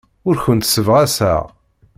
Ur kent-ssebɣaseɣ.